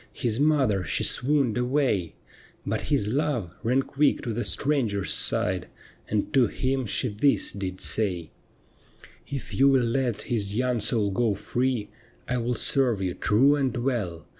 His mother she swooned away ; But his love ran quick to the stranger's side. And to him she this did say :—' If you will let his young soul go free, I will serve you true and well.